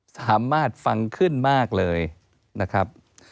สามารถฟังขึ้นมากเลยนะครับ